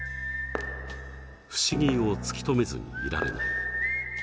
不思議を突き止めずにいられない。